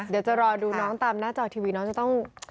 เดี๋ยวจะรอดูน้องตามหน้าจอทีวีน้องจะต้อง